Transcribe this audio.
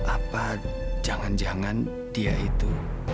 apa jangan jangan dia itu